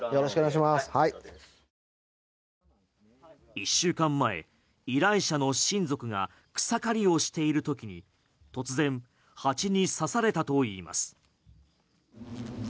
１週間前、依頼者の親族が草刈りをしているときに突然、蜂に刺されたといいます。